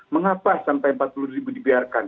mengapa sampai empat puluh ribu dibiarkan